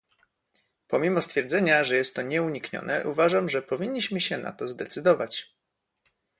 Pomimo stwierdzenia, że jest to nieuniknione, uważam, że powinniśmy się na to zdecydować